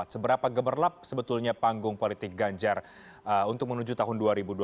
seberapa gemerlap sebetulnya panggung politik ganjar untuk menuju tahun dua ribu dua puluh